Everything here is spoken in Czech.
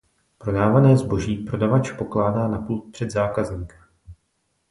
Prodávané zboží prodavač pokládá na pult před zákazníka.